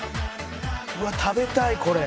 うわ食べたいこれ。